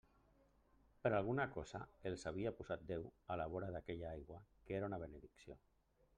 Per alguna cosa els havia posat Déu a la vora d'aquella aigua que era una benedicció.